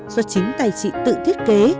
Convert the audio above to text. do chính tay chị tự thiết kế